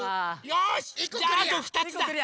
よしじゃああと２つだ。